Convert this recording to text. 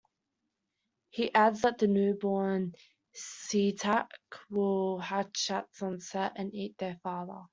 He adds that the newborn Sleestak will hatch at sunset and eat their father.